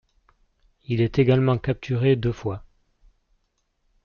Il est également capturé deux fois.